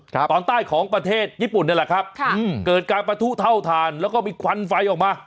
ตอนใต้ของประเทศญี่ปุ่นนี่แหละครับค่ะอืมเกิดการประทุเท่าทานแล้วก็มีควันไฟออกมา